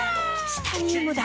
チタニウムだ！